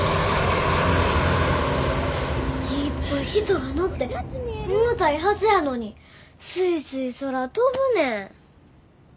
いっぱい人が乗って重たいはずやのにスイスイ空飛ぶねん。